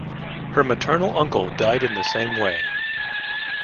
Her maternal uncle died in the same way.